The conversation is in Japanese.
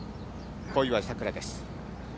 小祝さくらです。